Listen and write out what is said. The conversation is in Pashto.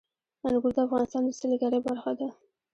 انګور د افغانستان د سیلګرۍ برخه ده.